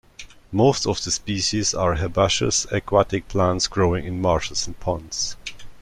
Most of the species are herbaceous aquatic plants growing in marshes and ponds.